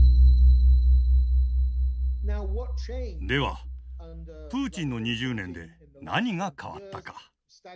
ではプーチンの２０年で何が変わったか。